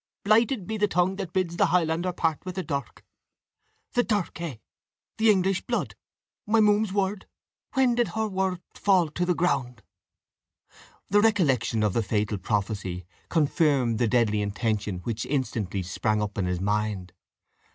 Blighted be the tongue that bids the Highlander part with the dirk. The dirk hae! the English blood! My muhme's word when did her word fall to the ground?" The recollection of the fatal prophecy confirmed the deadly intention which instantly sprang up in his mind.